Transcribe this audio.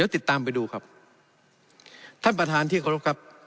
ติดตามไปดูครับท่านประธานที่เคารพครับ